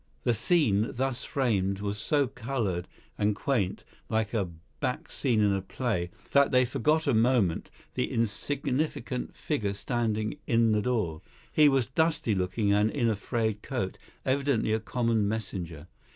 The scene thus framed was so coloured and quaint, like a back scene in a play, that they forgot a moment the insignificant figure standing in the door. He was dusty looking and in a frayed coat, evidently a common messenger.